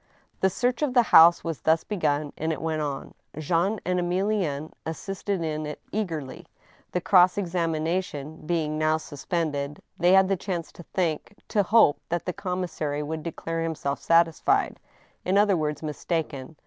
The search of the house was thus begun, and it went on. Jean and Emilienne assisted in it eagerly. The cross examina tion being now suspended, they had the chance to think, to hoj)e that the commissary would declare himself satisfied — in other words, mistaken.